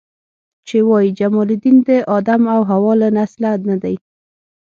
چې وایي جمال الدین د آدم او حوا له نسله نه دی.